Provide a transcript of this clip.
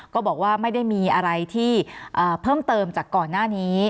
ก็บอกว่าไม่ได้มีอะไรที่เพิ่มเติมจากก่อนหน้านี้